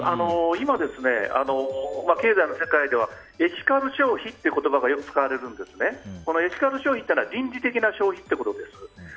今、経済の世界ではエシカル消費という言葉があってエシカル消費というのは臨時的な消費ということです。